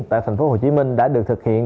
tại tp hcm đã được thực hiện